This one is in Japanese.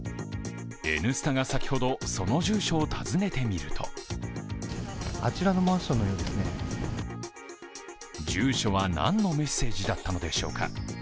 「Ｎスタ」が先ほどその住所を訪ねてみると住所は何のメッセージだったのでしょうか。